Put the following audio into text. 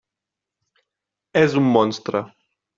És un monstre.